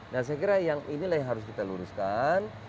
nah saya kira yang inilah yang harus kita luruskan